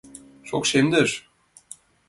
Шокшемдыш.